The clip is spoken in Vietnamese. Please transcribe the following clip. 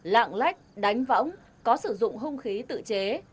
lạng lách đánh võng có sử dụng hung khí tự chế